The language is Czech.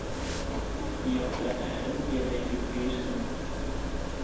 Jeho trenérem je David Pearson.